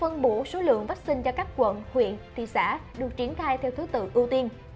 vắc xin chưa đủ việc phân bủ số lượng vắc xin cho các quận huyện thị xã được triển khai theo thứ tự ưu tiên